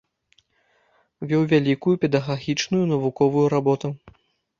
Вёў вялікую педагагічную і навуковую работу.